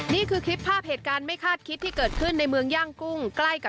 นี่คือคลิปภาพเหตุการณ์ไม่คาดคิดที่เกิดขึ้นในเมืองย่างกุ้งใกล้กับ